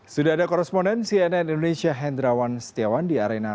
sudah ada koresponden cnn indonesia hendrawan setiawan di arena